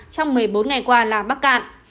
trong một mươi bốn ngày qua là bắc cạn